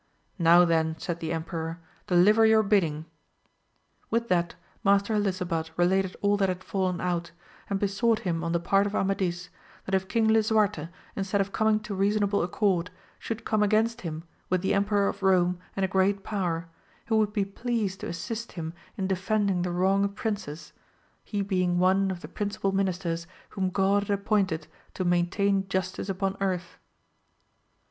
Now then> said the emperor, deliver your bidding. With that Master Helisabad related all that had fallen out, and besought him on the part of Amadis, that if King Lisuarte, instead of coming to reasonable accord, should come against him with the Emperor of Kome and a great power, he would be pleased to assist him in defending the wronged princess, he being one of the principal ministers whom God had appointed to maintain justice upon earth.